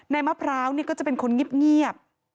ในมะพร้าวนี่ก็จะเป็นคนงิบเงียบ